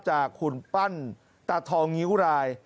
จากขุนปั้นตัดทองนิ้วลาย